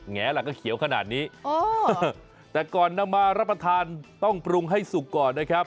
แงล่ะก็เขียวขนาดนี้แต่ก่อนนำมารับประทานต้องปรุงให้สุกก่อนนะครับ